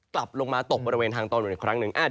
กลับลงมาตกบริเวณทางตอนบนอีกครั้งหนึ่ง